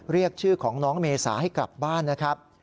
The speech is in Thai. เรียกชื่อของน้องเมษาให้กลับบ้านนะครับ